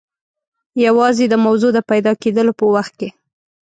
یوازې د موضوع د پیدا کېدلو په وخت کې.